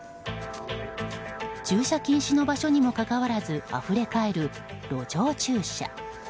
駐車禁止の場所にもかかわらずあふれかえる路上駐車。